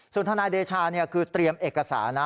ส่วนทนายเดชาคือเตรียมเอกสารนะ